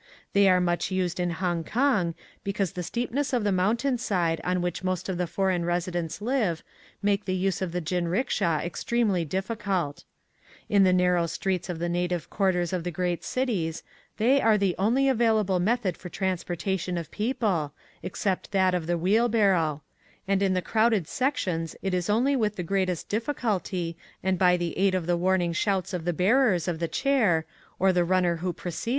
They are much used in Hong kong, because the steepness of the moun tain side on which most of the foreign residents live make the use of the jin ricksha extremely difficult. In the nar row streets of the native quarters of the great cities they are the only available method for transportation of people, ex cept that of the wheelbarrow, and in the crowded sections it is only with the greatest difficulty and by the aid of the warning shouts of the bearers of the chair, or the runner who precedes them.